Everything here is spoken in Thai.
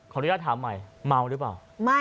อนุญาตถามใหม่เมาหรือเปล่า